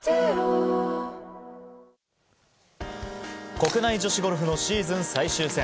国内女子ゴルフのシーズン最終戦。